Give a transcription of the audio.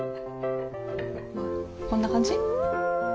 こんな感じ？